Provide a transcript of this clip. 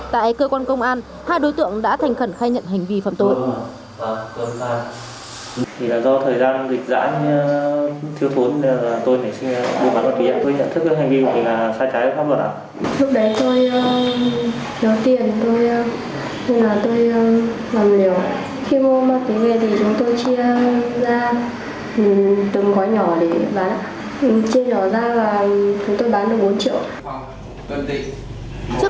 tại cơ quan công an hai đối tượng đã thành khẩn khai nhận hành vi phạm tội